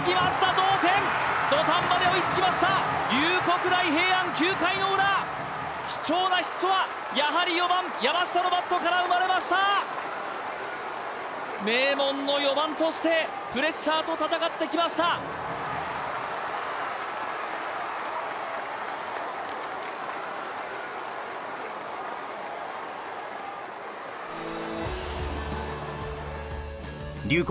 同点土壇場で追いつきました龍谷大平安９回の裏貴重なヒットはやはり４番山下のバットから生まれました名門の４番としてプレッシャーと戦ってきました龍谷